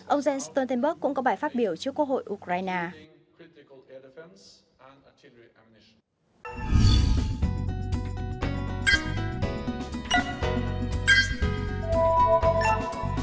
ông jens stoltenberg cũng có bài phát biểu trước quốc hội ukraine